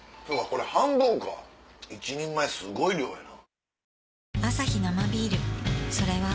これ半分か１人前すごい量やな。